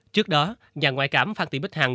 trước đó nhà ngoại cảm phan thị bích hằng